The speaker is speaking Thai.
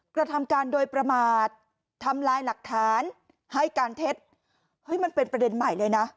กระทำการโดยประมาททำลายหลักฐานให้การเท็จเฮ้ยมันเป็นประเด็นใหม่เลยนะ